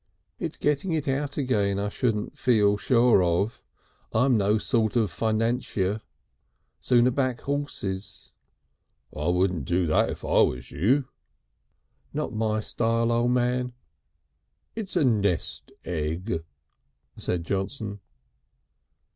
"It's getting it out again I shouldn't feel sure of. I'm no sort of Fiancianier. Sooner back horses." "I wouldn't do that if I were you." "Not my style, O' Man." "It's a nest egg," said Johnson.